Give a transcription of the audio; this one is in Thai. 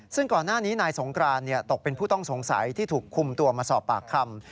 ซึ่งก่อนหน้านี้นายสงกรานตกเป็นผู้ต้องสงสัยที่ถูกคุมตัวมาสอบปากคำ